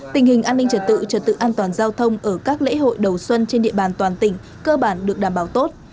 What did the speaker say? tình hình an ninh trật tự trật tự an toàn giao thông ở các lễ hội đầu xuân trên địa bàn toàn tỉnh cơ bản được đảm bảo tốt